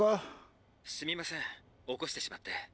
すみません起こしてしまって。